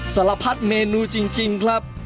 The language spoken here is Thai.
สารพัดเมนูจริงครับ